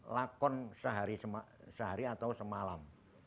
lakon sehari atau semalam